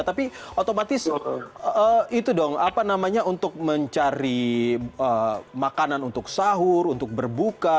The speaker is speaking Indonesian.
tapi otomatis itu dong apa namanya untuk mencari makanan untuk sahur untuk berbuka